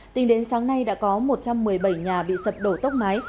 tính đến sáng nay đã có một trăm một mươi bảy nhà bị sập đổ tốc mái